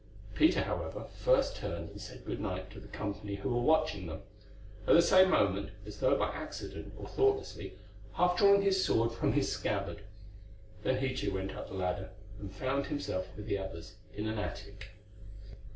Peter, however, first turned and said good night to the company who were watching them; at the same moment, as though by accident or thoughtlessly, half drawing his sword from its scabbard. Then he too went up the ladder, and found himself with the others in an attic.